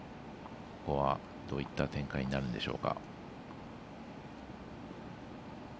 どういった展開になるんでしょう。